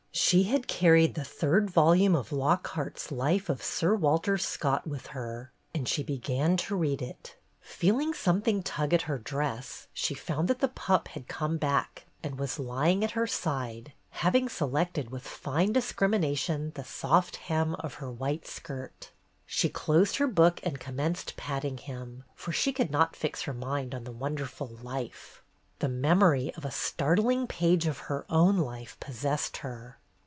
She had carried the third volume of Lockhart's "Life of Sir Walter Scott" with her, and she began to read it. 128 BETTY BAIRD'S GOLDEN YEAR Feeling something tug at her dress, she found that the pup had come back and was lying at her side, having selected, with fine discrimination, the soft hem of her white skirt. She closed her book and commenced patting him, for she could not fix her mind on the wonderful "Life." The memory of a startling page of her own life possessed her.